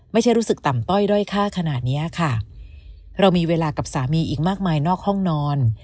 ไม่ใช่รู้สึกต่ำต้อยด้อยค่าขนาดเนี้ยค่ะเรามีเวลากับสามีอีกมากมายนอกห้องนอน